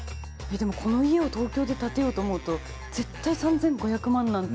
でもこの家を東京で建てようと思うと絶対３５００万なんて。